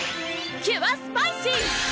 キュアスパイシー！